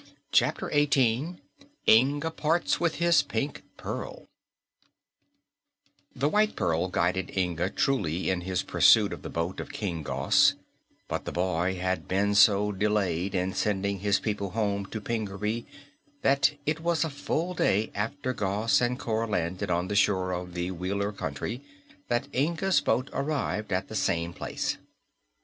Chapter Eighteen Inga Parts with his Pink Pearl The White Pearl guided Inga truly in his pursuit of the boat of King Gos, but the boy had been so delayed in sending his people home to Pingaree that it was a full day after Gos and Cor landed on the shore of the Wheeler Country that Inga's boat arrived at the same place.